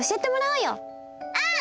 うん！